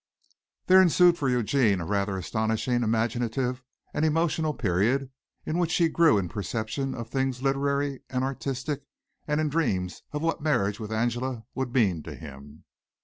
There ensued for Eugene a rather astonishing imaginative and emotional period in which he grew in perception of things literary and artistic and in dreams of what marriage with Angela would mean to him.